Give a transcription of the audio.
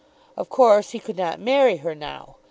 Of course he could not marry her now.